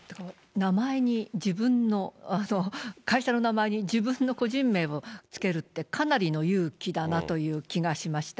名前に自分の、会社の名前に自分の個人名を付けるって、かなりの勇気だなという気がしました。